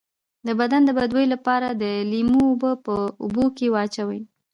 د بدن د بد بوی لپاره د لیمو اوبه په اوبو کې واچوئ